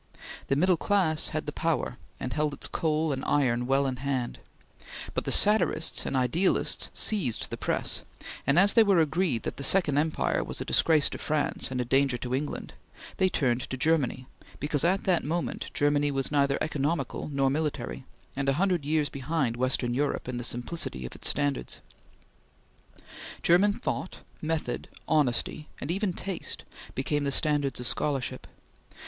The middle class had the power, and held its coal and iron well in hand, but the satirists and idealists seized the press, and as they were agreed that the Second Empire was a disgrace to France and a danger to England, they turned to Germany because at that moment Germany was neither economical nor military, and a hundred years behind western Europe in the simplicity of its standard. German thought, method, honesty, and even taste, became the standards of scholarship.